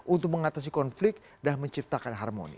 untuk mengatasi konflik dan menciptakan harmoni